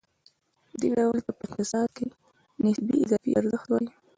دې ډول ته په اقتصاد کې نسبي اضافي ارزښت وايي